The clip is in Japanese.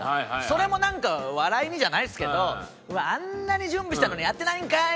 それもなんか笑いにじゃないですけどあんなに準備したのにやってないんかい！